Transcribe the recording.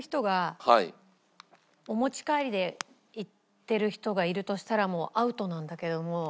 お持ち帰りでいってる人がいるとしたらもうアウトなんだけども。